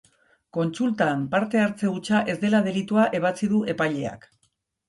Kontsultan parte hartze hutsa ez dela delitua ebatzi du epaileak.